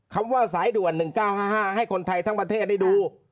คำว่าสายด่วนหนึ่งเก้าห้าห้าให้คนไทยทั้งประเทศได้ดู